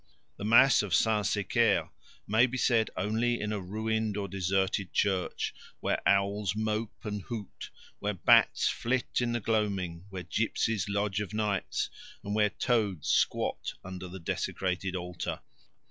The Mass of Saint Sécaire may be said only in a ruined or deserted church, where owls mope and hoot, where bats flit in the gloaming, where gypsies lodge of nights, and where toads squat under the desecrated altar.